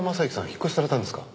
引っ越しされたんですか？